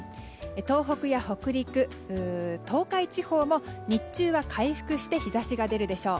東北や北陸、東海地方も日中は回復して日差しが出るでしょう。